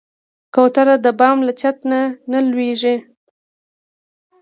کوتره د بام له چت نه نه لوېږي.